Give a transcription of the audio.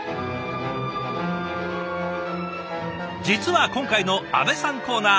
実は今回の阿部さんコーナー